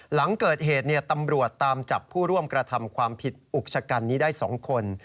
หลังเกิดเหตุตำรวจตามจับผู้ร่วมกระทำความผิดอุกชะกันนี้ได้๒คน